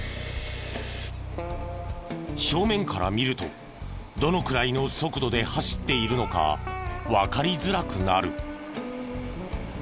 正面から見るとどのくらいの速度で走っているのかわかりづらくなる。